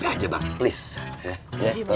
berapa aja bang please